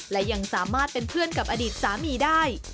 และยังสามารถเป็นเพื่อนกับอดีตสามีได้